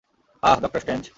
Ah, Doctor strange?